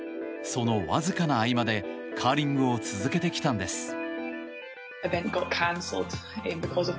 そのわずかな合間でカーリングを続けてきたんです。